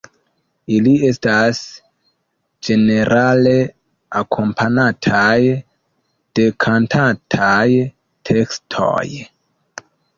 Ili estas ĝenerale akompanataj de kantataj tekstoj.